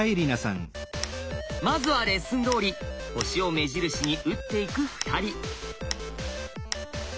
まずはレッスンどおり星を目印に打っていく２人。